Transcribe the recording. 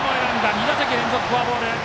２打席連続フォアボール。